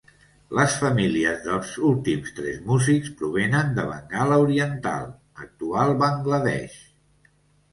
Les famílies dels últims tres músics provenen de Bengala Oriental, actual Bangla Desh.